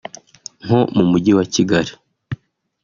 nko mu Mujyi wa Kigali